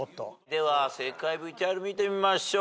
では正解ＶＴＲ見てみましょう。